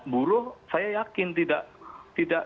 buruh saya yakin tidak